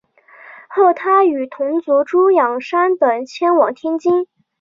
后他与同族朱仰山等迁往天津。